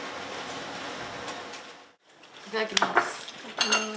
いただきます。